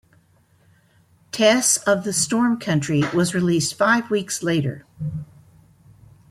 "Tess of the Storm Country" was released five weeks later.